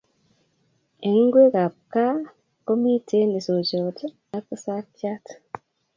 Eng ngwekab kipkaa komitei isochot ak sakchat